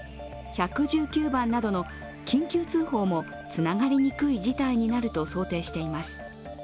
１１９番などの、緊急通報もつながりにくい事態になると想定しています。